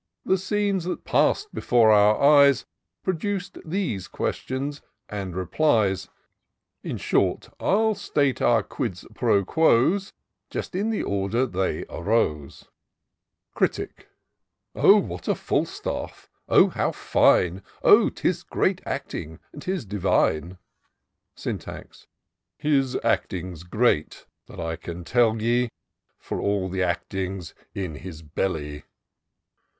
The scenes that pass'd before our eyes Produc'd these questions and repKes : In short, I'll state our quid pro quos Just in the order they arose." 30i TOUR OP DOCTOR SYNTAX Critic. " Oh, what a Falstaff!— Oh, how fine ! Oh, 'tis great acting — 'tis divine !" Syntax. " His acting's great — that I can tell ye ; For all the acting's in his belly.'